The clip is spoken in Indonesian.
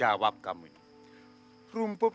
aku bilang ke facts merugikan